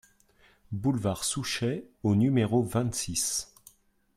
Boulevard Souchet au numéro vingt-six